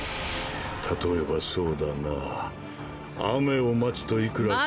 例えばそうだな雨を待つといくらか。